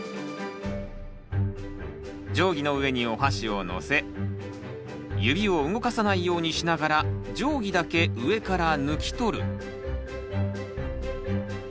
定規の上におはしをのせ指を動かさないようにしながら定規だけ上から抜き取る。